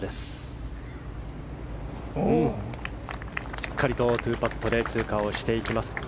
しっかりと２パットで通過していきます。